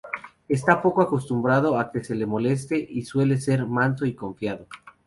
Está poco acostumbrado a que se lo moleste, y suele ser manso y confiado.